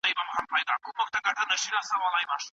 که د نفوسو وده زياته وي سړي سر عايد کمېږي.